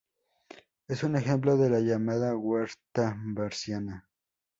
Es un ejemplo de la llamada "huerta berciana".